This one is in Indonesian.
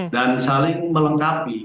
dan saling melengkapi